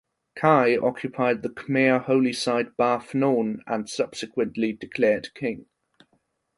Kai occupied the Khmer holy site Ba Phnom and subsequently declared king.